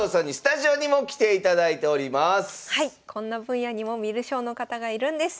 こんな分野にも観る将の方がいるんです。